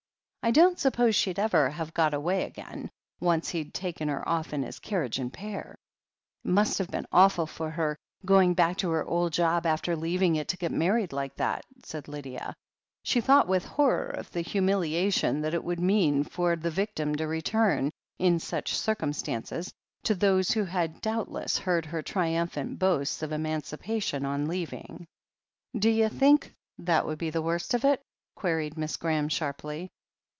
I don't suppose she'd ever have got away again, once he'd taken her off in his carriage and pair." "It must have been awful for her, going back to her old job, after leaving it to get married like that," said Lydia. She thought with horror of the humiliation that it would mean for the victim to return, in such circumstances, to those who had doubtless heard her triumphant boasts of emancipation on leaving. "D'you think that would be the worst of it?" queried Miss Graham sharply.